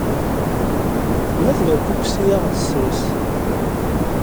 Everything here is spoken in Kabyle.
Telha tberkukest i aɣ-d-tesres.